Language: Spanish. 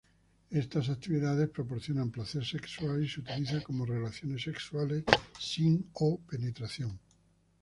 Estas actividades proporcionan placer sexual, y utiliza como relaciones sexuales sin penetración o penetración.